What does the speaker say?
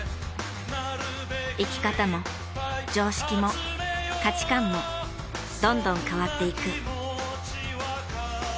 生き方も常識も価値観もどんどん変わっていく。